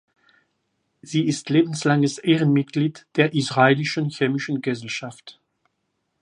Sie ist lebenslanges Ehrenmitglied der israelischen chemischen Gesellschaft.